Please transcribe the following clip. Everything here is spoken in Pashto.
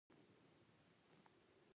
نن ورځ هوا ډېره یخه وه.